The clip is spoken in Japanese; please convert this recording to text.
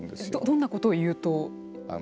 どんなことを言うと？